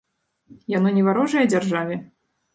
Яно не варожае дзяржаве?